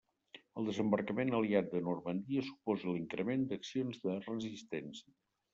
El desembarcament aliat de Normandia suposa l’increment d’accions de resistència.